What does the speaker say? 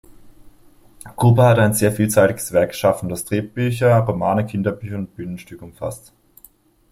Cooper hat ein sehr vielseitiges Werk geschaffen, das Drehbücher, Romane, Kinderbücher und Bühnenstücke umfasst.